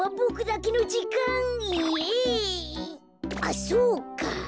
あっそうか。